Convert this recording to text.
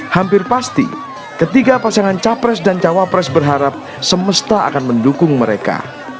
hampir pasti ketiga pasangan capres dan cawapres berharap semesta akan mendukung mereka